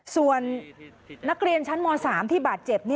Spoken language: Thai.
ส่วนนักเรียนชั้นม๓ที่บาดเจ็บ